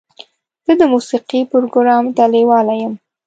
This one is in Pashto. زه د موسیقۍ پروګرام ته لیواله یم.